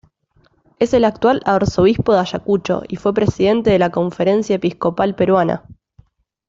Es el actual arzobispo de Ayacucho y fue presidente de la Conferencia Episcopal Peruana.